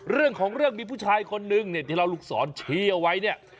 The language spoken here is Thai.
เรื่องของเรื่องมีผู้ชายคนนึงเนี่ยที่เราลูกศรชี้เอาไว้เนี่ย